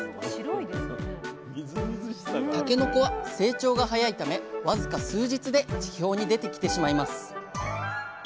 たけのこは成長が早いため僅か数日で地表に出てきてしまいます。